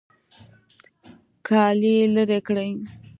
کالي لرې کړئ